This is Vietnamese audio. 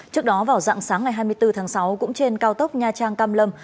trước đó vào dạng sáng ngày hai mươi bốn tháng sáu cũng trên cao tốc nha trang cam lâm